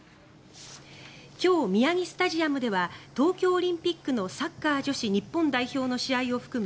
今日、宮城スタジアムでは東京オリンピックのサッカー女子日本代表の試合を含む